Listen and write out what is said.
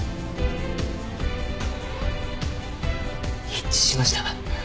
一致しました！